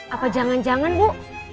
apa jangan jangan bu